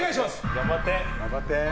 頑張って！